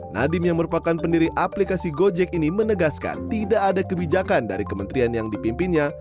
nadiem yang merupakan pendiri aplikasi gojek ini menegaskan tidak ada kebijakan dari kementerian yang dipimpinnya